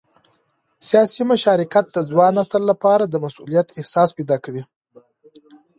سیاسي مشارکت د ځوان نسل لپاره د مسؤلیت احساس پیدا کوي